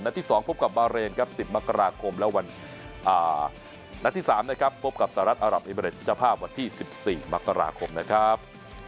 ที่๒พบกับบาเรนครับ๑๐มกราคมและนัดที่๓นะครับพบกับสหรัฐอารับเอเมริดเจ้าภาพวันที่๑๔มกราคมนะครับ